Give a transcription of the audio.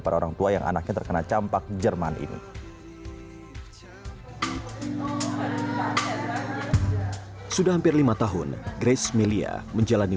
para orang tua yang anaknya terkena campak jerman ini sudah hampir lima tahun grace melia menjalani